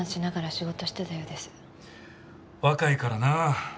若いからなあ。